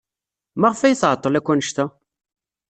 Maɣef ay tɛeḍḍel akk anect-a?